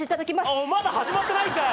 おおまだ始まってないんかい！